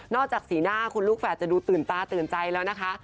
จากสีหน้าคุณลูกแฝดจะดูตื่นตาตื่นใจแล้วนะคะ